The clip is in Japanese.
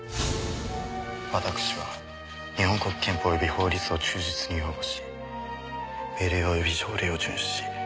私は日本国憲法及び法律を忠実に擁護し命令及び条例を遵守し。